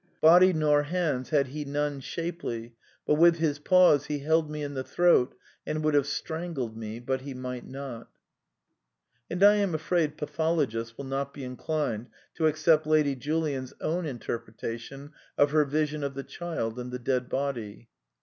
Body nor hands had he none shapely, but with his paws he held me in the throat, and would have strangled me, but he might not." (Ibid. pp. 165, 166.) And I am afraid pathologists will not be inclined to accept Lady Julian's own interpretation of her Vision of the Child and the dead body.